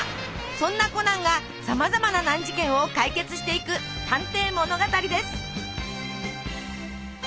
そんなコナンがさまざまな難事件を解決していく探偵物語です。